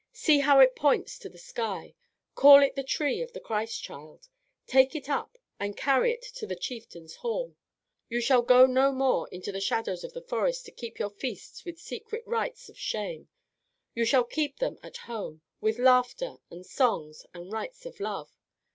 See how it points to the sky. Call it the tree of the Christ child. Take it up and carry it to the chieftain's hall. You shall go no more into the shadows of the forest to keep your feasts with secret rites of shame. You shall keep them at home, with laughter and songs and rites of love.